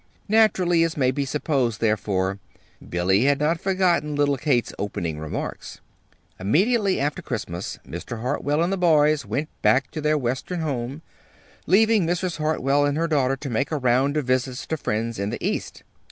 Naturally, as may be supposed, therefore, Billy had not forgotten little Kate's opening remarks. Immediately after Christmas Mr. Hartwell and the boys went back to their Western home, leaving Mrs. Hartwell and her daughter to make a round of visits to friends in the East.